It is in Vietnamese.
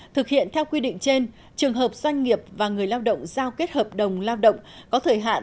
thực hiện theo quy định trên trường hợp doanh nghiệp và người lao động giao kết hợp đồng lao động có thời hạn